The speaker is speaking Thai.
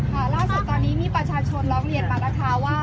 ล่าสุดตอนนี้มีประชาชนร้องเรียนมานะคะว่า